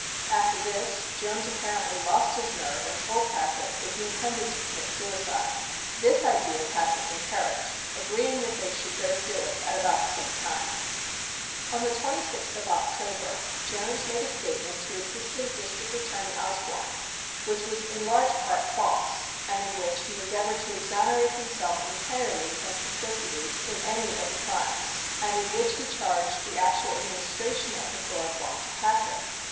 After this Jones apparently lost his nerve and told Patrick that he intended to commit suicide. This idea Patrick encouraged, agreeing that they should both do it at about the same time. On the 26th of October Jones made a statement to Assistant District Attorney Osborne which was in large part false, and in which he endeavored to exonerate himself entirely from complicity in any of the crimes, and in which he charged the actual administration of the chloroform to Patrick.